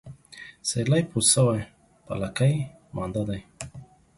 سيرلى پوست سوى ، په لکۍ مانده دى.